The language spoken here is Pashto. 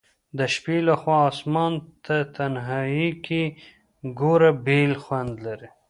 د شپي لخوا آسمان ته تنهائي کي ګوره بیل خوند لري